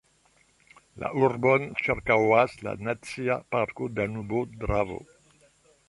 La urbon ĉirkaŭas la Nacia parko Danubo–Dravo.